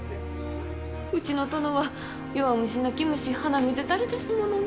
うちの殿は弱虫泣き虫鼻水垂れですものね。